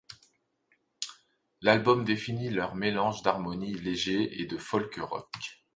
L'album définit leur mélange d'harmonie léger et de folk rock.